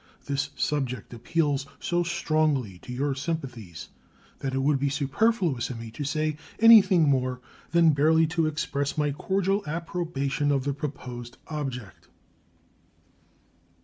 This subject appeals so strongly to your sympathies that it would be superfluous in me to say anything more than barely to express my cordial approbation of the proposed object.